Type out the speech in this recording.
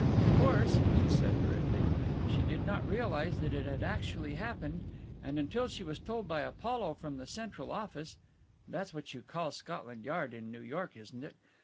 Of course," she said hurriedly, "she did not realize that it had actually happened, and until she was told by Apollo from the Central Office that's what you call Scotland Yard in New York, isn't it?